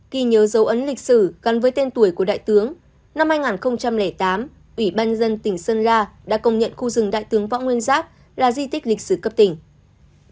ghi nhớ dấu ấn lịch sử gắn với tên tuổi của đại tướng năm hai nghìn tám ủy ban dân tỉnh sơn la đã công nhận khu rừng đại tướng võ nguyên giáp là di tích lịch sử cấp tỉnh